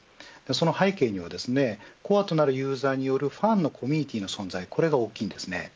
その背景には、コアとなるユーザーによるファンのコミュニティの存在が大きいです。